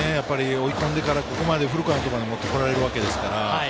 追い込んでからここまでフルカウントまで持ってこられるわけですから。